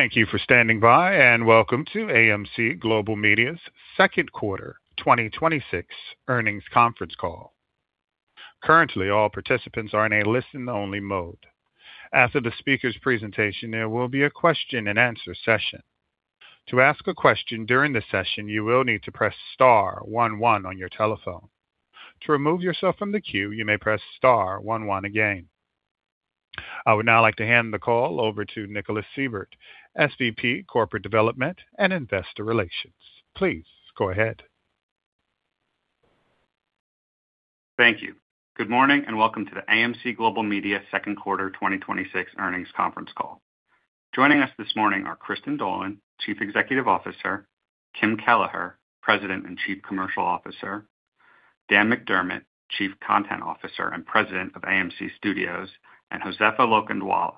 Thank you for standing by, welcome to AMC Global Media's Second Quarter 2026 Earnings Conference Call. Currently, all participants are in a listen-only mode. After the speakers' presentation, there will be a question and answer session. To ask a question during the session, you will need to press star one one on your telephone. To remove yourself from the queue, you may press star one one again. I would now like to hand the call over to Nicholas Seibert, SVP Corporate Development and Investor Relations. Please go ahead. Thank you. Good morning, welcome to the AMC Global Media second quarter 2026 earnings conference call. Joining us this morning are Kristin Dolan, Chief Executive Officer, Kim Kelleher, President and Chief Commercial Officer, Dan McDermott, Chief Content Officer and President of AMC Studios, Hozefa Lokhandwala,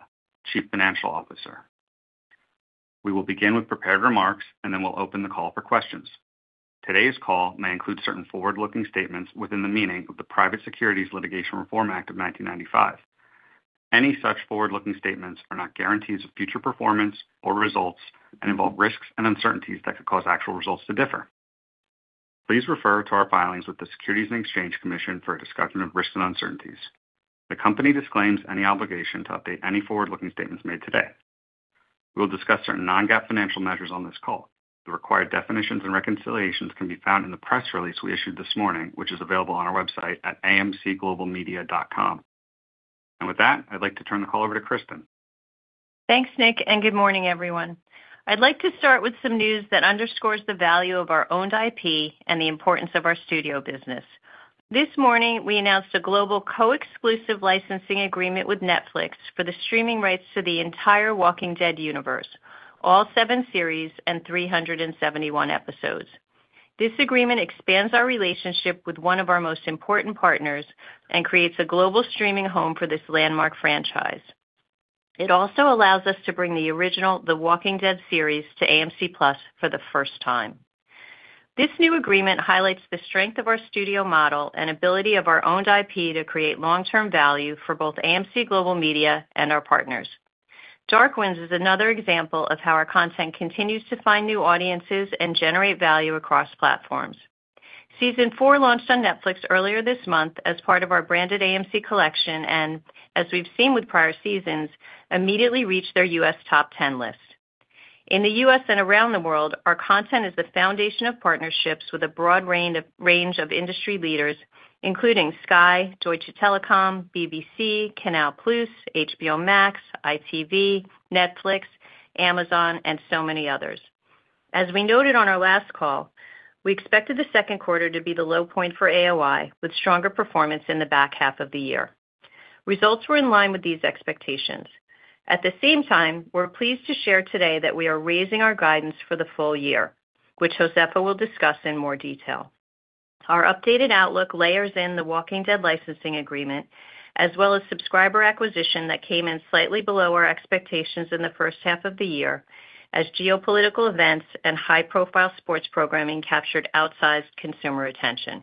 Chief Financial Officer. We will begin with prepared remarks, then we'll open the call for questions. Today's call may include certain forward-looking statements within the meaning of the Private Securities Litigation Reform Act of 1995. Any such forward-looking statements are not guarantees of future performance or results involve risks and uncertainties that could cause actual results to differ. Please refer to our filings with the Securities and Exchange Commission for a discussion of risks and uncertainties. The company disclaims any obligation to update any forward-looking statements made today. We will discuss certain non-GAAP financial measures on this call. The required definitions and reconciliations can be found in the press release we issued this morning, which is available on our website at amcglobalmedia.com. With that, I'd like to turn the call over to Kristin. Thanks, Nick, good morning, everyone. I'd like to start with some news that underscores the value of our owned IP and the importance of our studio business. This morning, we announced a global co-exclusive licensing agreement with Netflix for the streaming rights to the entire The Walking Dead universe, all seven series and 371 episodes. This agreement expands our relationship with one of our most important partners creates a global streaming home for this landmark franchise. It also allows us to bring the original The Walking Dead series to AMC+ for the first time. This new agreement highlights the strength of our studio model and ability of our owned IP to create long-term value for both AMC Global Media and our partners. Dark Winds is another example of how our content continues to find new audiences and generate value across platforms. Season four launched on Netflix earlier this month as part of our branded AMC collection. As we've seen with prior seasons, it immediately reached their U.S. top 10 list. In the U.S. and around the world, our content is the foundation of partnerships with a broad range of industry leaders, including Sky, Deutsche Telekom, BBC, Canal+, HBO Max, ITV, Netflix, Amazon, and so many others. As we noted on our last call, we expected the second quarter to be the low point for AOI, with stronger performance in the back half of the year. Results were in line with these expectations. At the same time, we're pleased to share today that we are raising our guidance for the full year, which Hozefa will discuss in more detail. Our updated outlook layers in The Walking Dead licensing agreement. Subscriber acquisition came in slightly below our expectations in the first half of the year. Geopolitical events and high-profile sports programming captured outsized consumer attention.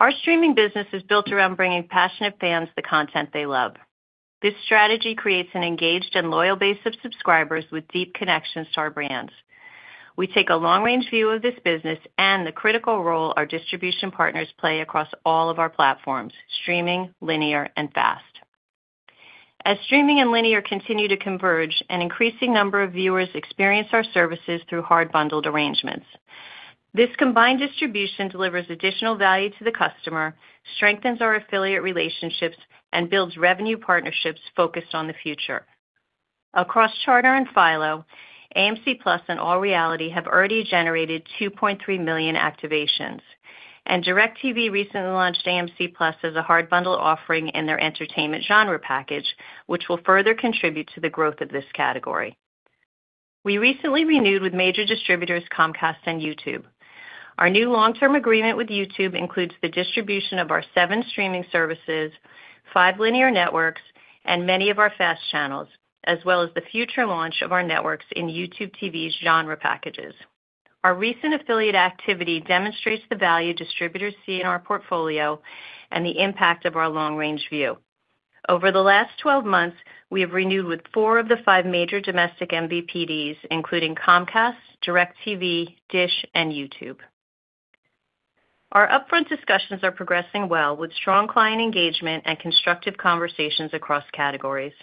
Our streaming business is built around bringing passionate fans the content they love. This strategy creates an engaged and loyal base of subscribers with deep connections to our brands. We take a long-range view of this business and the critical role our distribution partners play across all of our platforms, streaming, linear, and FAST. As streaming and linear continue to converge, an increasing number of viewers experience our services through hard-bundled arrangements. This combined distribution delivers additional value to the customer, strengthens our affiliate relationships, and builds revenue partnerships focused on the future. Across Charter and Philo, AMC+ and ALLBLK have already generated 2.3 million activations. DirecTV recently launched AMC+ as a hard-bundle offering in their entertainment genre package, which will further contribute to the growth of this category. We recently renewed with major distributors Comcast and YouTube. Our new long-term agreement with YouTube includes the distribution of our seven streaming services, five linear networks, many of our FAST channels, as well as the future launch of our networks in YouTube TV's genre packages. Our recent affiliate activity demonstrates the value distributors see in our portfolio and the impact of our long-range view. Over the last 12 months, we have renewed with four of the five major domestic MVPDs, including Comcast, DirecTV, Dish, and YouTube. Our upfront discussions are progressing well with strong client engagement and constructive conversations across categories.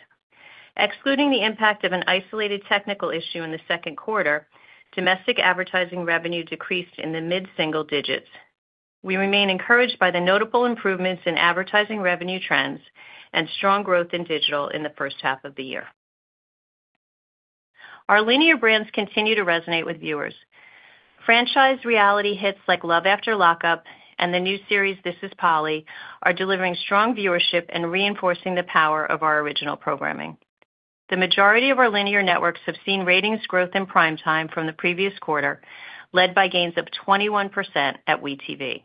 Excluding the impact of an isolated technical issue in the second quarter, domestic advertising revenue decreased in the mid-single digits. We remain encouraged by the notable improvements in advertising revenue trends and strong growth in digital in the first half of the year. Our linear brands continue to resonate with viewers. Franchised reality hits like Love After Lockup and the new series This Is Polly are delivering strong viewership and reinforcing the power of our original programming. The majority of our linear networks have seen ratings growth in prime time from the previous quarter, led by gains of 21% at WE tv.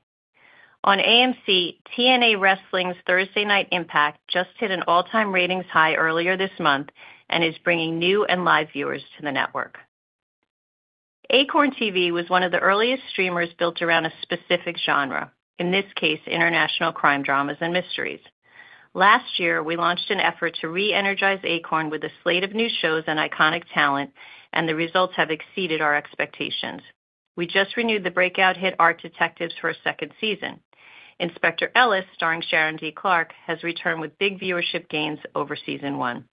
On AMC, TNA Wrestling's Thursday Night Impact just hit an all-time ratings high earlier this month and is bringing new and live viewers to the network. Acorn TV was one of the earliest streamers built around a specific genre, in this case, international crime dramas and mysteries. Last year, we launched an effort to re-energize Acorn with a slate of new shows and iconic talent, and the results have exceeded our expectations. We just renewed the breakout hit, "Art Detectives" for a second season. "Inspector Ellis," starring Sharon D. Clarke, has returned with big viewership gains over Season one.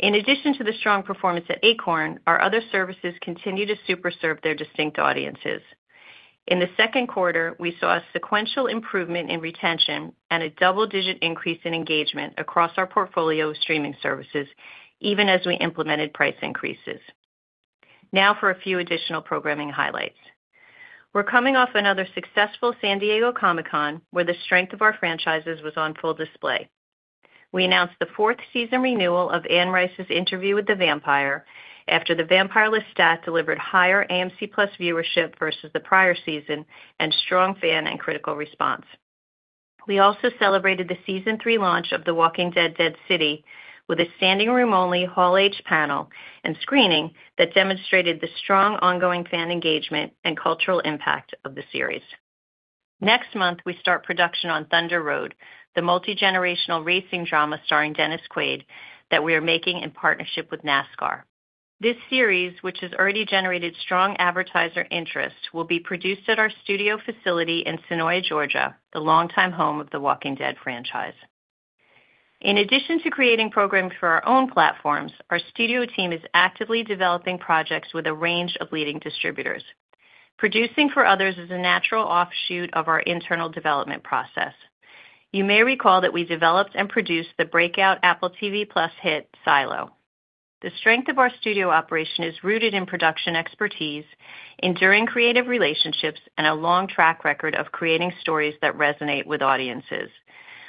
In addition to the strong performance at Acorn, our other services continue to super-serve their distinct audiences. In the second quarter, we saw a sequential improvement in retention and a double-digit increase in engagement across our portfolio of streaming services, even as we implemented price increases. Now for a few additional programming highlights. We are coming off another successful San Diego Comic-Con, where the strength of our franchises was on full display. We announced the fourth season renewal of Anne Rice's Interview with the Vampire after the vampire Lestat delivered higher AMC+ viewership versus the prior season and strong fan and critical response. We also celebrated the Season three launch of The Walking Dead: Dead City with a standing-room-only Hall H panel and screening that demonstrated the strong ongoing fan engagement and cultural impact of the series. Next month, we start production on Thunder Road, the multigenerational racing drama starring Dennis Quaid that we are making in partnership with NASCAR. This series, which has already generated strong advertiser interest, will be produced at our studio facility in Senoia, Georgia, the longtime home of The Walking Dead franchise. In addition to creating programming for our own platforms, our studio team is actively developing projects with a range of leading distributors. Producing for others is a natural offshoot of our internal development process. You may recall that we developed and produced the breakout Apple TV+ hit, Silo. The strength of our studio operation is rooted in production expertise, enduring creative relationships, and a long track record of creating stories that resonate with audiences.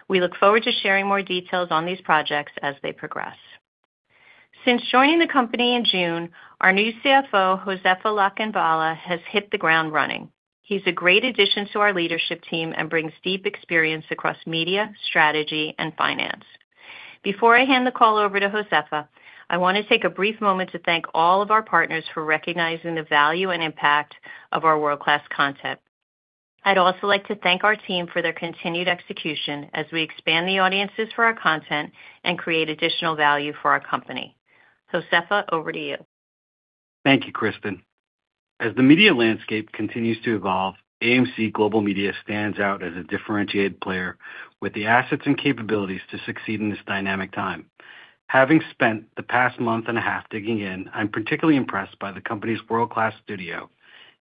We look forward to sharing more details on these projects as they progress. Since joining the company in June, our new CFO, Hozefa Lokhandwala, has hit the ground running. He is a great addition to our leadership team and brings deep experience across media, strategy, and finance. Before I hand the call over to Hozefa, I want to take a brief moment to thank all of our partners for recognizing the value and impact of our world-class content. I would also like to thank our team for their continued execution as we expand the audiences for our content and create additional value for our company. Hozefa, over to you. Thank you, Kristin. As the media landscape continues to evolve, AMC Global Media stands out as a differentiated player with the assets and capabilities to succeed in this dynamic time. Having spent the past month and a half digging in, I am particularly impressed by the company's world-class studio,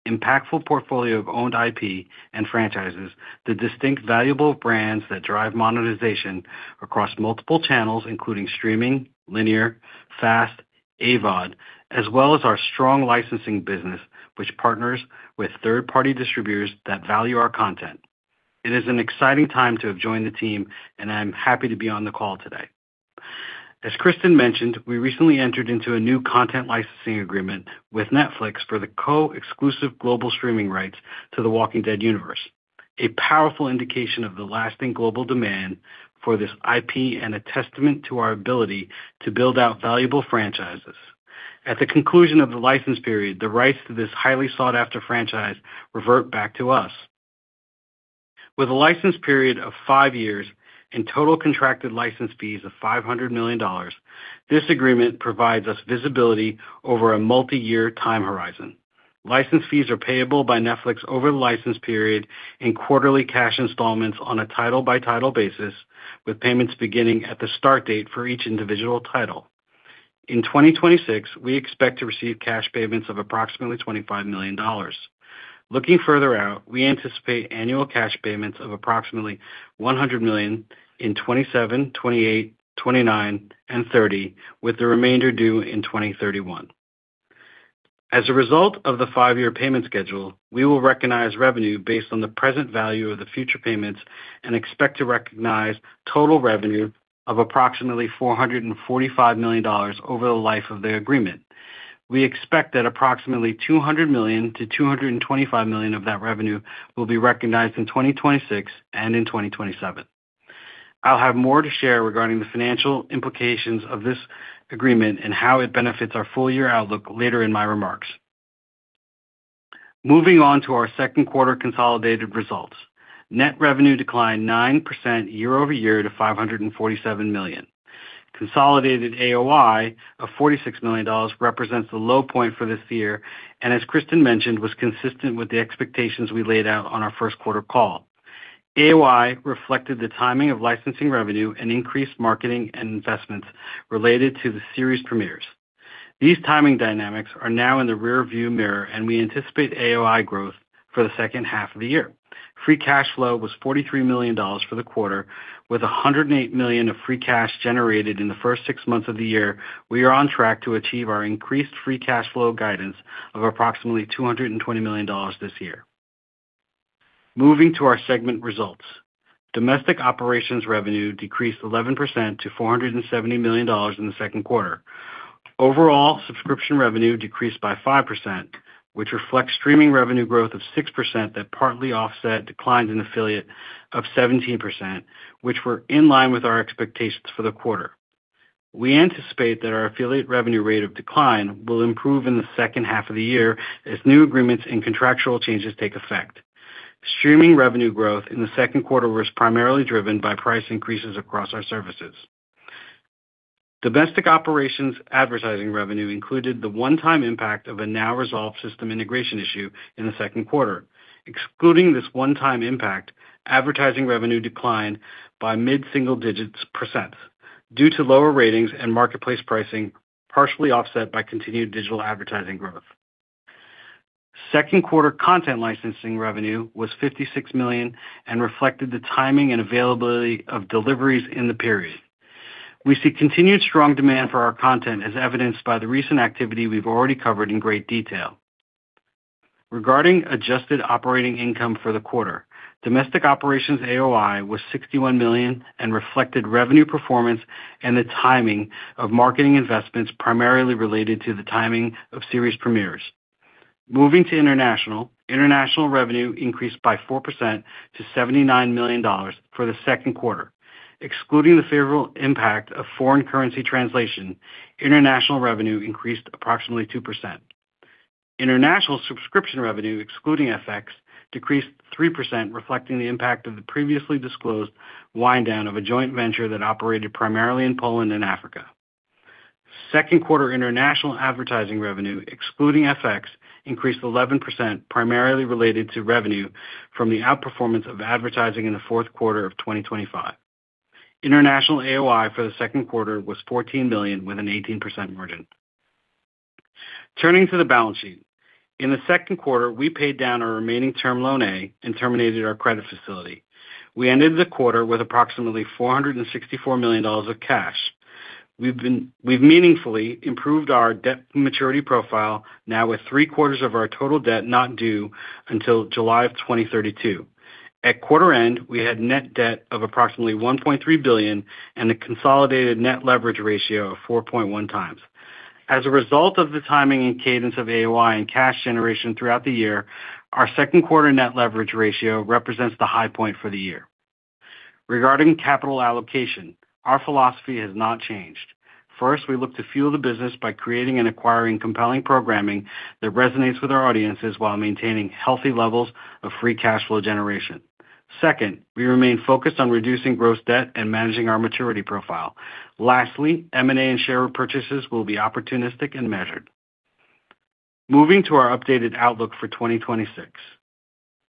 impactful portfolio of owned IP and franchises, the distinct valuable brands that drive monetization across multiple channels, including streaming, linear, FAST, AVOD, as well as our strong licensing business, which partners with third-party distributors that value our content. It is an exciting time to have joined the team and I am happy to be on the call today. As Kristin mentioned, we recently entered into a new content licensing agreement with Netflix for the co-exclusive global streaming rights to "The Walking Dead" universe, a powerful indication of the lasting global demand for this IP and a testament to our ability to build out valuable franchises. At the conclusion of the license period, the rights to this highly sought-after franchise revert back to us. With a license period of five years and total contracted license fees of $500 million, this agreement provides us visibility over a multiyear time horizon. License fees are payable by Netflix over the license period in quarterly cash installments on a title-by-title basis, with payments beginning at the start date for each individual title. In 2026, we expect to receive cash payments of approximately $25 million. Looking further out, we anticipate annual cash payments of approximately $100 million in 2027, 2028, 2029, and 2030, with the remainder due in 2031. As a result of the five-year payment schedule, we will recognize revenue based on the present value of the future payments and expect to recognize total revenue of approximately $445 million over the life of the agreement. We expect that approximately $200 million-$225 million of that revenue will be recognized in 2026 and in 2027. I'll have more to share regarding the financial implications of this agreement and how it benefits our full-year outlook later in my remarks. Moving on to our second quarter consolidated results. Net revenue declined 9% year-over-year to $547 million. Consolidated AOI of $46 million represents the low point for this year, and as Kristin mentioned, was consistent with the expectations we laid out on our first quarter call. AOI reflected the timing of licensing revenue and increased marketing and investments related to the series premieres. These timing dynamics are now in the rearview mirror, and we anticipate AOI growth for the second half of the year. Free cash flow was $43 million for the quarter. With $108 million of free cash generated in the first six months of the year, we are on track to achieve our increased free cash flow guidance of approximately $220 million this year. Moving to our segment results. Domestic operations revenue decreased 11% to $470 million in the second quarter. Overall, subscription revenue decreased by 5%, which reflects streaming revenue growth of 6% that partly offset declines in affiliate of 17%, which were in line with our expectations for the quarter. We anticipate that our affiliate revenue rate of decline will improve in the second half of the year as new agreements and contractual changes take effect. Streaming revenue growth in the second quarter was primarily driven by price increases across our services. Domestic operations advertising revenue included the one-time impact of a now-resolved system integration issue in the second quarter. Excluding this one-time impact, advertising revenue declined by mid-single-digit % due to lower ratings and marketplace pricing, partially offset by continued digital advertising growth. Second quarter content licensing revenue was $56 million and reflected the timing and availability of deliveries in the period. We see continued strong demand for our content as evidenced by the recent activity we've already covered in great detail. Regarding adjusted operating income for the quarter, domestic operations AOI was $61 million and reflected revenue performance and the timing of marketing investments, primarily related to the timing of series premieres. Moving to international. International revenue increased by 4% to $79 million for the second quarter. Excluding the favorable impact of foreign currency translation, international revenue increased approximately 2%. International subscription revenue, excluding FX, decreased 3%, reflecting the impact of the previously disclosed wind down of a joint venture that operated primarily in Poland and Africa. Second quarter international advertising revenue, excluding FX, increased 11%, primarily related to revenue from the outperformance of advertising in the fourth quarter of 2025. International AOI for the second quarter was $14 million with an 18% margin. Turning to the balance sheet. In the second quarter, we paid down our remaining Term Loan A and terminated our credit facility. We ended the quarter with approximately $464 million of cash. We've meaningfully improved our debt maturity profile, now with three-quarters of our total debt not due until July of 2032. At quarter end, we had net debt of approximately $1.3 billion and a consolidated net leverage ratio of 4.1x. As a result of the timing and cadence of AOI and cash generation throughout the year, our second quarter net leverage ratio represents the high point for the year. Regarding capital allocation, our philosophy has not changed. First, we look to fuel the business by creating and acquiring compelling programming that resonates with our audiences while maintaining healthy levels of free cash flow generation. Second, we remain focused on reducing gross debt and managing our maturity profile. Lastly, M&A and share purchases will be opportunistic and measured. Moving to our updated outlook for 2026.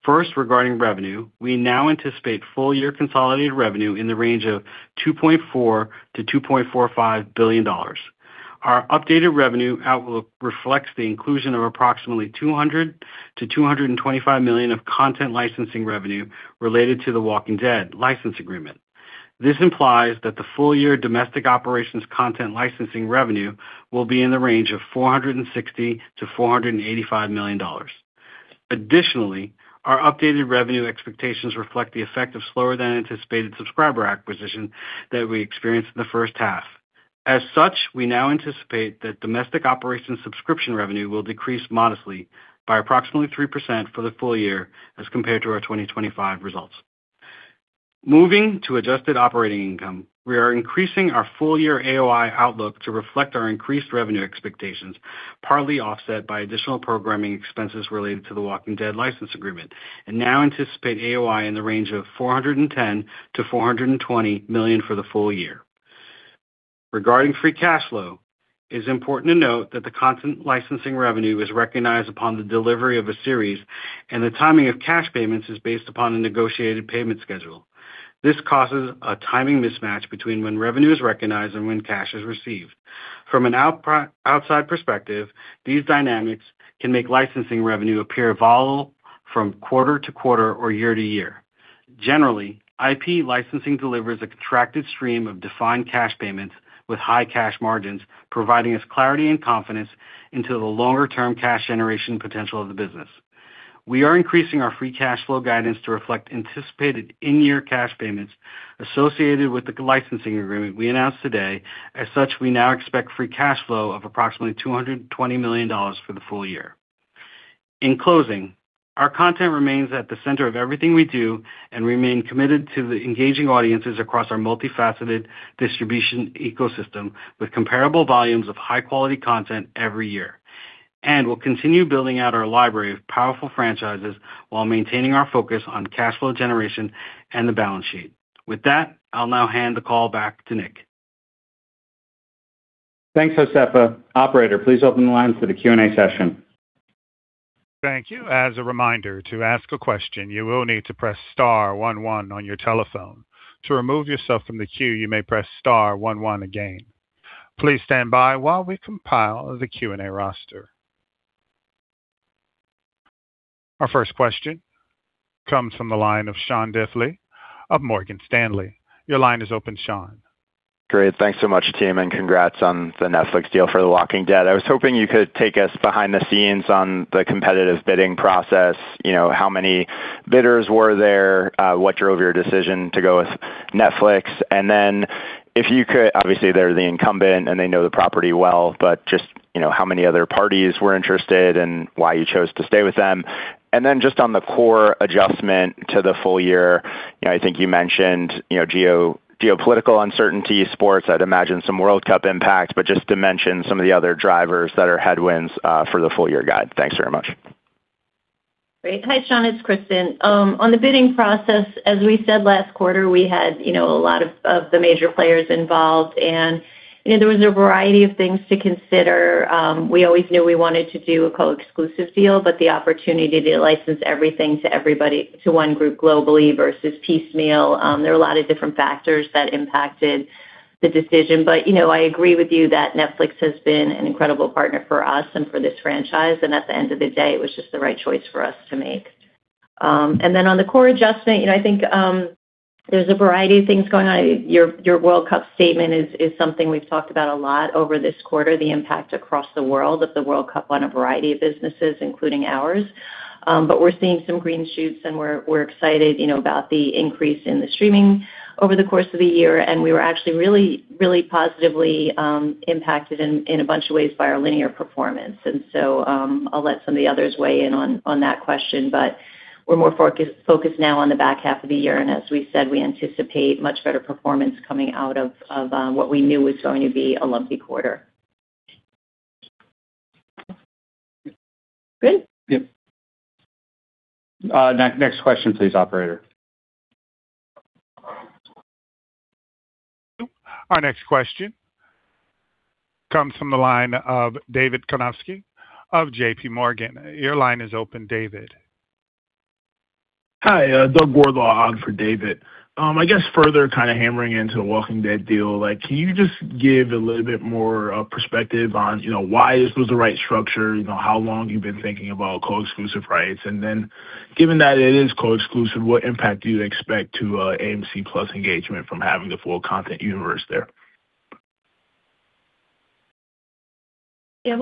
First, regarding revenue, we now anticipate full-year consolidated revenue in the range of $2.4 billion-$2.45 billion. Our updated revenue outlook reflects the inclusion of approximately $200 million-$225 million of content licensing revenue related to "The Walking Dead" license agreement. This implies that the full-year domestic operations content licensing revenue will be in the range of $460 million-$485 million. Additionally, our updated revenue expectations reflect the effect of slower than anticipated subscriber acquisition that we experienced in the first half. As such, we now anticipate that domestic operations subscription revenue will decrease modestly by approximately 3% for the full year as compared to our 2025 results. Moving to adjusted operating income, we are increasing our full-year AOI outlook to reflect our increased revenue expectations, partly offset by additional programming expenses related to "The Walking Dead" license agreement, and now anticipate AOI in the range of $410 million-$420 million for the full year. Regarding free cash flow, it is important to note that the content licensing revenue is recognized upon the delivery of a series, and the timing of cash payments is based upon a negotiated payment schedule. This causes a timing mismatch between when revenue is recognized and when cash is received. From an outside perspective, these dynamics can make licensing revenue appear volatile from quarter-to-quarter or year-to-year. Generally, IP licensing delivers a contracted stream of defined cash payments with high cash margins, providing us clarity and confidence into the longer-term cash generation potential of the business. We are increasing our free cash flow guidance to reflect anticipated in-year cash payments associated with the licensing agreement we announced today. As such, we now expect free cash flow of approximately $220 million for the full year. In closing, our content remains at the center of everything we do and remain committed to the engaging audiences across our multifaceted distribution ecosystem with comparable volumes of high-quality content every year. We'll continue building out our library of powerful franchises while maintaining our focus on cash flow generation and the balance sheet. With that, I'll now hand the call back to Nick. Thanks, Hozefa. Operator, please open the lines for the Q&A session. Thank you. As a reminder, to ask a question, you will need to press star one one on your telephone. To remove yourself from the queue, you may press star one one again. Please stand by while we compile the Q&A roster. Our first question comes from the line of Sean Diffley of Morgan Stanley. Your line is open, Sean. Great. Thanks so much team, and congrats on the Netflix deal for "The Walking Dead." I was hoping you could take us behind the scenes on the competitive bidding process. How many bidders were there? What drove your decision to go with Netflix? Then If you could, obviously, they're the incumbent and they know the property well, just how many other parties were interested, and why you chose to stay with them. Then just on the core adjustment to the full year, I think you mentioned geopolitical uncertainty, sports, I'd imagine some World Cup impact, just to mention some of the other drivers that are headwinds for the full-year guide. Thanks very much. Great. Hi, Sean, it's Kristin. On the bidding process, as we said last quarter, we had a lot of the major players involved. There was a variety of things to consider. We always knew we wanted to do a co-exclusive deal, the opportunity to license everything to everybody to one group globally versus piecemeal, there were a lot of different factors that impacted the decision. I agree with you that Netflix has been an incredible partner for us and for this franchise. At the end of the day, it was just the right choice for us to make. Then on the core adjustment, I think there's a variety of things going on. Your World Cup statement is something we've talked about a lot over this quarter, the impact across the world of the World Cup on a variety of businesses, including ours. We're seeing some green shoots, and we're excited about the increase in the streaming over the course of the year. We were actually really positively impacted in a bunch of ways by our linear performance. I'll let some of the others weigh in on that question. We're more focused now on the back half of the year, and as we said, we anticipate much better performance coming out of what we knew was going to be a lumpy quarter. Good? Yep. Next question please, operator. Our next question comes from the line of David Karnovsky of J.P. Morgan. Your line is open, David. Hi, Doug Wardlaw on for David. I guess further kind of hammering into The Walking Dead deal, can you just give a little bit more perspective on why this was the right structure, how long you've been thinking about co-exclusive rights? Given that it is co-exclusive, what impact do you expect to AMC+ engagement from having the full content universe there? Yeah.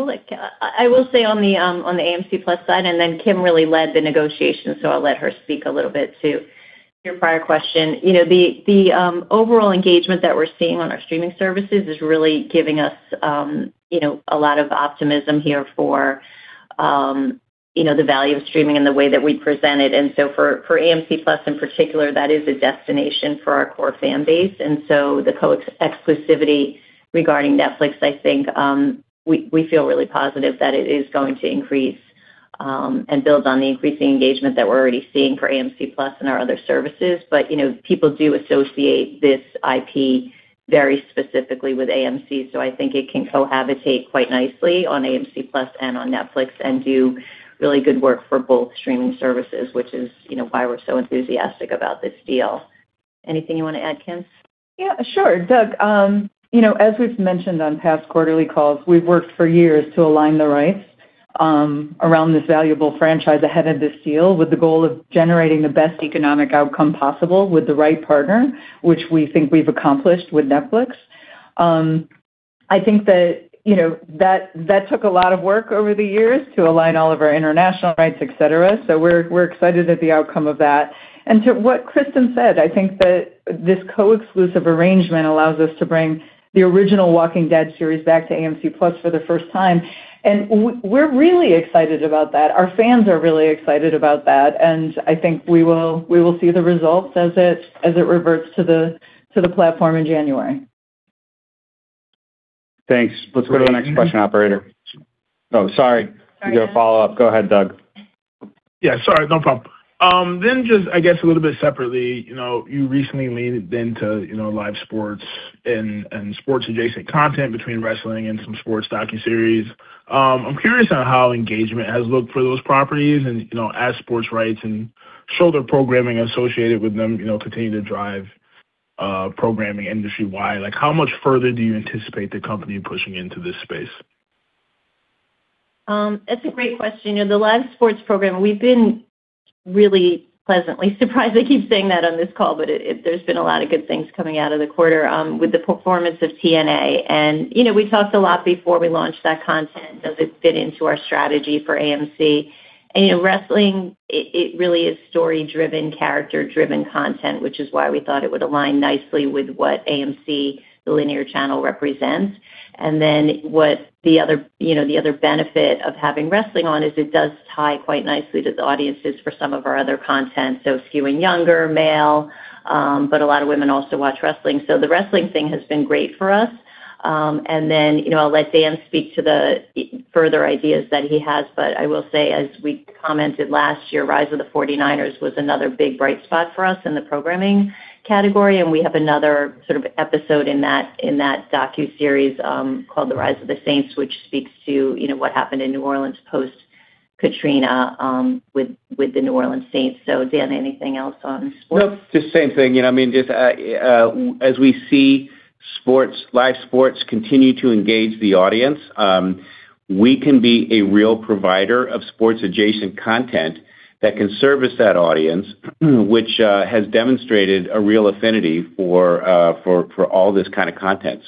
I will say on the AMC+ side, Kim really led the negotiation, so I'll let her speak a little bit to your prior question. The overall engagement that we're seeing on our streaming services is really giving us a lot of optimism here for the value of streaming and the way that we present it. For AMC+ in particular, that is a destination for our core fan base. The co-exclusivity regarding Netflix, I think, we feel really positive that it is going to increase and build on the increasing engagement that we're already seeing for AMC+ and our other services. People do associate this IP very specifically with AMC, so I think it can cohabitate quite nicely on AMC+ and on Netflix and do really good work for both streaming services, which is why we're so enthusiastic about this deal. Anything you want to add, Kim? Yeah, sure. Doug, as we've mentioned on past quarterly calls, we've worked for years to align the rights around this valuable franchise ahead of this deal with the goal of generating the best economic outcome possible with the right partner, which we think we've accomplished with Netflix. I think that took a lot of work over the years to align all of our international rights, et cetera, so we're excited at the outcome of that. To what Kristin said, I think that this co-exclusive arrangement allows us to bring the original The Walking Dead series back to AMC+ for the first time. We're really excited about that. Our fans are really excited about that, and I think we will see the results as it reverts to the platform in January. Thanks. Let's go to the next question, operator. Oh, sorry. You got a follow-up. Go ahead, Doug. Yeah. Sorry, no problem. Just, I guess a little bit separately, you recently leaned into live sports and sports adjacent content between wrestling and some sports docuseries. I'm curious on how engagement has looked for those properties and as sports rights and shoulder programming associated with them continue to drive programming industry-wide. How much further do you anticipate the company pushing into this space? That's a great question. The live sports program, we've been really pleasantly surprised. I keep saying that on this call, but there's been a lot of good things coming out of the quarter with the performance of TNA. We talked a lot before we launched that content, does it fit into our strategy for AMC. Wrestling, it really is story-driven, character-driven content, which is why we thought it would align nicely with what AMC, the linear channel represents. What the other benefit of having wrestling on is it does tie quite nicely to the audiences for some of our other content. Skewing younger, male, but a lot of women also watch wrestling. The wrestling thing has been great for us. I'll let Dan speak to the further ideas that he has. I will say, as we commented last year, "Rise of the 49ers" was another big bright spot for us in the programming category. We have another sort of episode in that docuseries, called "The Rise of the Saints," which speaks to what happened in New Orleans post-Katrina, with the New Orleans Saints. Dan, anything else on sports? Nope, just same thing. As we see live sports continue to engage the audience, we can be a real provider of sports adjacent content that can service that audience, which has demonstrated a real affinity for all this kind of content.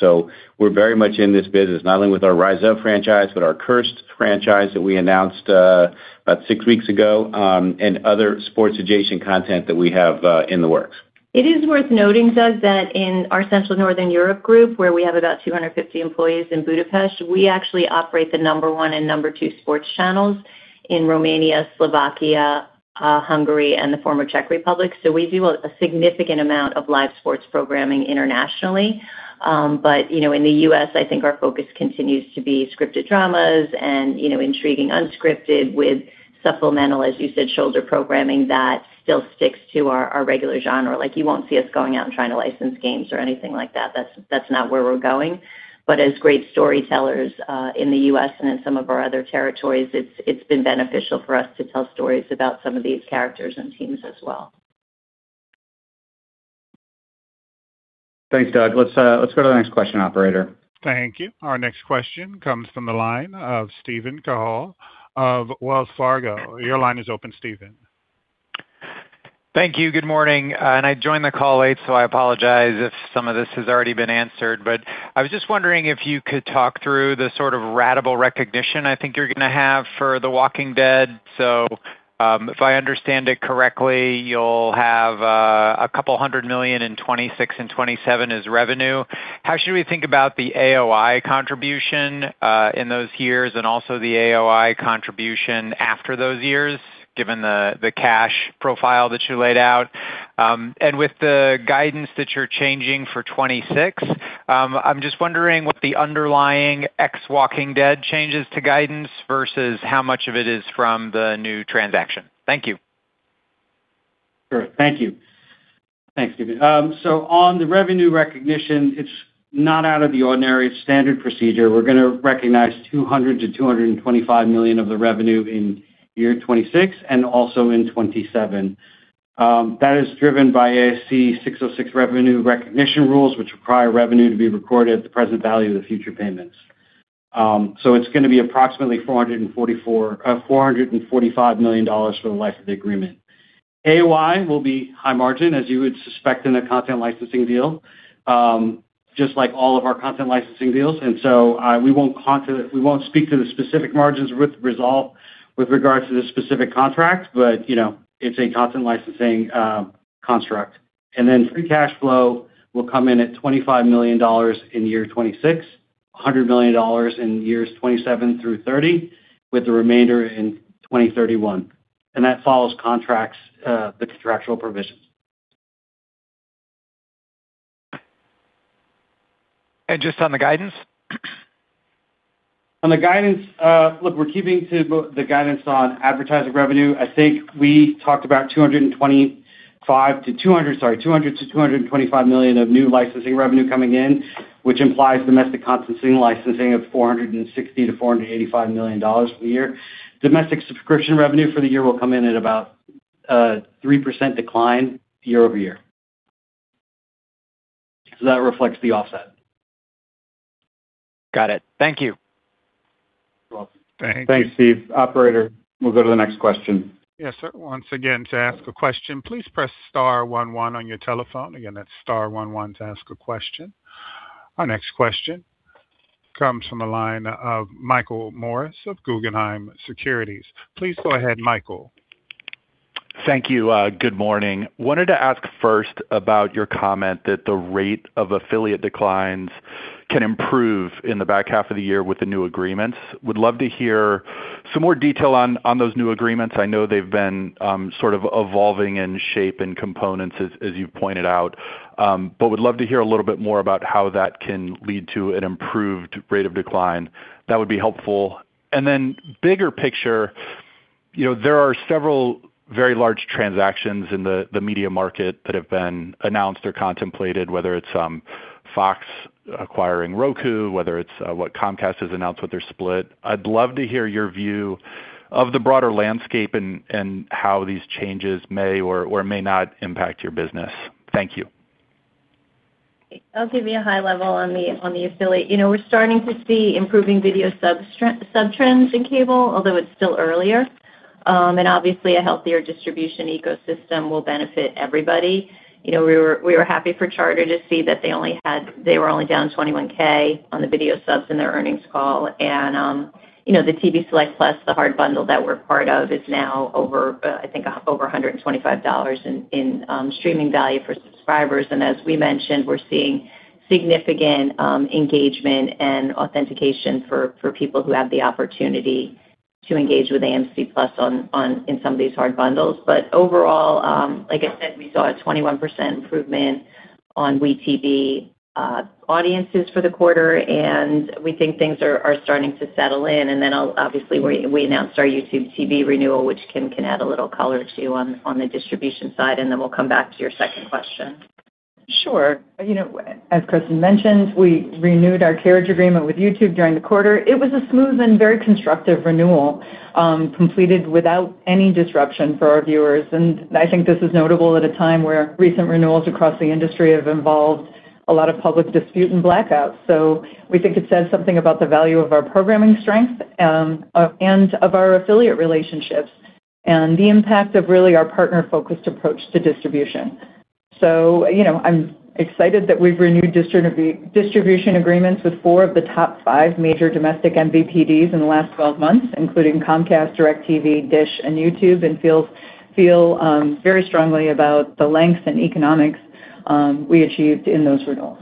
We're very much in this business, not only with our "Rise" franchise, but our "Cursed" franchise that we announced about six weeks ago, and other sports adjacent content that we have in the works. It is worth noting, Doug, that in our Central and Northern Europe group, where we have about 250 employees in Budapest, we actually operate the number one and number two sports channels in Romania, Slovakia, Hungary, and the former Czech Republic. We do a significant amount of live sports programming internationally. In the U.S., I think our focus continues to be scripted dramas and intriguing unscripted with supplemental, as you said, shoulder programming that still sticks to our regular genre. Like you won't see us going out and trying to license games or anything like that. That's not where we're going. As great storytellers in the U.S. and in some of our other territories, it's been beneficial for us to tell stories about some of these characters and teams as well. Thanks, Doug. Let's go to the next question, operator. Thank you. Our next question comes from the line of Steven Cahall of Wells Fargo. Your line is open, Steven. Thank you. Good morning. I joined the call late, so I apologize if some of this has already been answered. I was just wondering if you could talk through the sort of ratable recognition I think you're going to have for The Walking Dead. If I understand it correctly, you'll have a couple hundred million in 2026 and 2027 as revenue. How should we think about the AOI contribution in those years, and also the AOI contribution after those years, given the cash profile that you laid out? With the guidance that you're changing for 2026, I'm just wondering what the underlying ex-The Walking Dead changes to guidance versus how much of it is from the new transaction. Thank you. Sure. Thank you. Thanks, Steven. On the revenue recognition, it's not out of the ordinary. It's standard procedure. We're going to recognize $200 million-$225 million of the revenue in year 2026 and also in 2027. That is driven by ASC 606 revenue recognition rules, which require revenue to be recorded at the present value of the future payments. It's going to be approximately $445 million for the life of the agreement. AOI will be high margin, as you would suspect in a content licensing deal, just like all of our content licensing deals. We won't speak to the specific margins with resolve with regards to this specific contract, but it's a content licensing construct. Free cash flow will come in at $25 million in year 2026, $100 million in years 2027 through 2030, with the remainder in 2031. That follows the contractual provisions. Just on the guidance? On the guidance, look, we're keeping to the guidance on advertising revenue. I think we talked about $200 million-$225 million of new licensing revenue coming in, which implies domestic content licensing of $460 million-$485 million for the year. Domestic subscription revenue for the year will come in at about a 3% decline year-over-year. That reflects the offset. Got it. Thank you. You're welcome. Thank you. Thanks, Steve. Operator, we'll go to the next question. Yes, sir. Once again, to ask a question, please press star one one on your telephone. Again, that's star one one to ask a question. Our next question comes from the line of Michael Morris of Guggenheim Securities. Please go ahead, Michael. Thank you. Good morning. Wanted to ask first about your comment that the rate of affiliate declines can improve in the back half of the year with the new agreements. Would love to hear some more detail on those new agreements. I know they've been sort of evolving in shape and components, as you've pointed out. Would love to hear a little bit more about how that can lead to an improved rate of decline. That would be helpful. Bigger picture, there are several very large transactions in the media market that have been announced or contemplated, whether it's Fox acquiring Roku, whether it's what Comcast has announced with their split. I'd love to hear your view of the broader landscape and how these changes may or may not impact your business. Thank you. Okay. I'll give you a high level on the affiliate. We're starting to see improving video sub trends in cable, although it's still earlier. Obviously a healthier distribution ecosystem will benefit everybody. We were happy for Charter to see that they were only down 21,000 on the video subs in their earnings call. The TV Select Plus, the hard bundle that we're part of, is now I think over $125 in streaming value for subscribers. As we mentioned, we're seeing significant engagement and authentication for people who have the opportunity to engage with AMC+ in some of these hard bundles. Overall, like I said, we saw a 21% improvement on WE tv audiences for the quarter, and we think things are starting to settle in. Obviously we announced our YouTube TV renewal, which Kim can add a little color to on the distribution side, then we'll come back to your second question. Sure. As Kristin mentioned, we renewed our carriage agreement with YouTube during the quarter. It was a smooth and very constructive renewal, completed without any disruption for our viewers. I think this is notable at a time where recent renewals across the industry have involved a lot of public dispute and blackouts. We think it says something about the value of our programming strength and of our affiliate relationships and the impact of really our partner-focused approach to distribution. I'm excited that we've renewed distribution agreements with four of the top five major domestic MVPDs in the last 12 months, including Comcast, DirecTV, Dish, and YouTube, and feel very strongly about the lengths and economics we achieved in those renewals.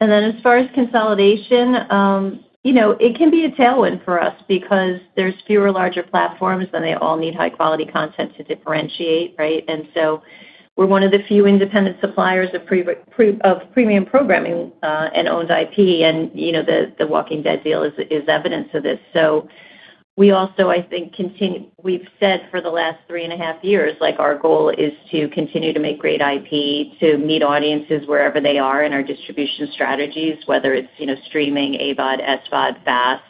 As far as consolidation, it can be a tailwind for us because there's fewer larger platforms, and they all need high-quality content to differentiate, right? We're one of the few independent suppliers of premium programming and owned IP. The Walking Dead deal is evidence of this. We also, I think, we've said for the last three and a half years, our goal is to continue to make great IP, to meet audiences wherever they are in our distribution strategies, whether it's streaming, AVOD, SVOD, FAST.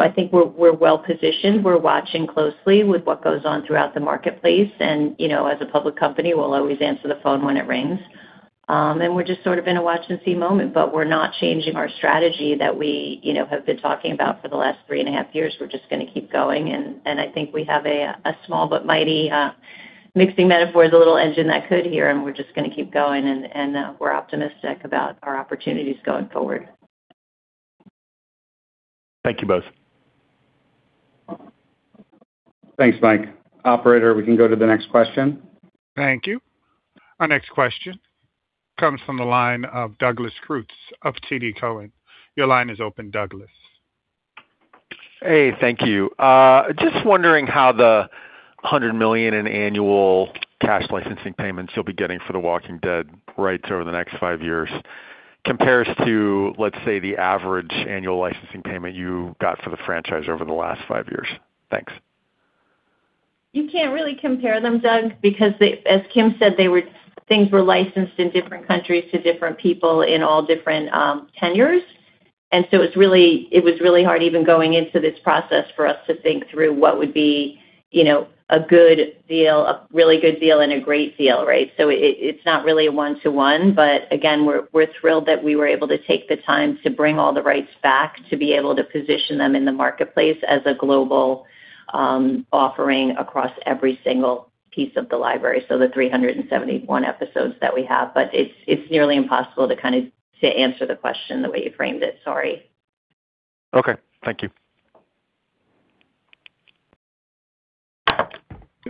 I think we're well-positioned. We're watching closely with what goes on throughout the marketplace, and as a public company, we'll always answer the phone when it rings. We're just sort of in a watch-and-see moment. We're not changing our strategy that we have been talking about for the last three and a half years. We're just going to keep going. I think we have a small but mighty, mixing metaphors, a little engine that could here, we're just going to keep going, we're optimistic about our opportunities going forward. Thank you both. Thanks, Mike. Operator, we can go to the next question. Thank you. Our next question comes from the line of Douglas Creutz of TD Cowen. Your line is open, Douglas. Hey, thank you. Just wondering how the $100 million in annual cash licensing payments you'll be getting for "The Walking Dead" rights over the next 5 years compares to, let's say, the average annual licensing payment you got for the franchise over the last five years. Thanks. You can't really compare them, Doug, because, as Kim said, things were licensed in different countries to different people in all different tenures. It was really hard even going into this process for us to think through what would be a really good deal and a great deal, right? It's not really a one-to-one, but again, we're thrilled that we were able to take the time to bring all the rights back, to be able to position them in the marketplace as a global offering across every single piece of the library, the 371 episodes that we have. It's nearly impossible to answer the question the way you framed it. Sorry. Okay. Thank you.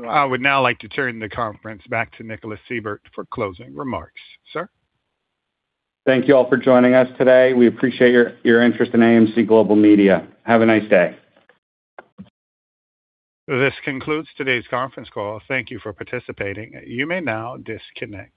I would now like to turn the conference back to Nicholas Seibert for closing remarks. Sir? Thank you all for joining us today. We appreciate your interest in AMC Global Media. Have a nice day. This concludes today's conference call. Thank you for participating. You may now disconnect.